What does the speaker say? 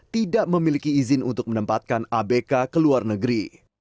tidak memiliki izin untuk menempatkan abk ke luar negeri